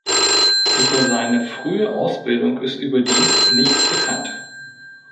Über seine frühe Ausbildung ist überdies nichts bekannt.